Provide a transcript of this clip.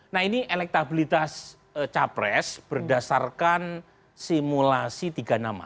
nah ini elektabilitas capres berdasarkan simulasi tiga nama